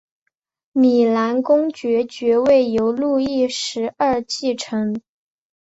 米兰公爵爵位由路易十二继承。